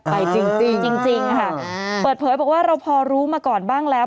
จริงจริงค่ะเปิดเผยบอกว่าเราพอรู้มาก่อนบ้างแล้ว